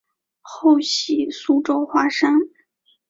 后徙苏州花山。